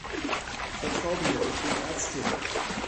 Vertrau mir, ich bin Ärztin!